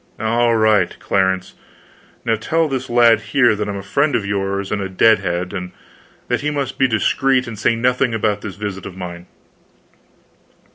"All right, Clarence; now tell this lad here that I'm a friend of yours and a dead head; and that he must be discreet and say nothing about this visit of mine."